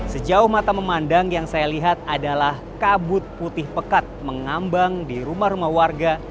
sejauh mata memandang yang saya lihat adalah kabut putih pekat mengambang di rumah rumah warga